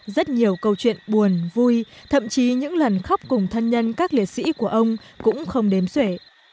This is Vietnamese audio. rất nhiều câu chuyện buồn vui thậm chí những lần khóc cùng thân nhân các liệt sĩ của ông cũng không đếm xuể